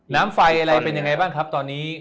น้ำไฟอะไรเป็นยังไงบ้างครับตอนนี้